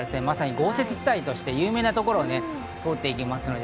まさに豪雪地帯として有名なところを通っていきます。